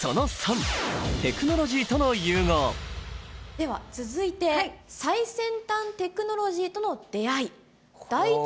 では続いて「最先端テクノロジーとの出会い」。